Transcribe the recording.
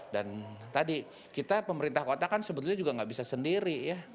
dan tadi kita pemerintah kota kan sebetulnya juga gak bisa sendiri ya